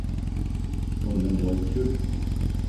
O ne mo djeue?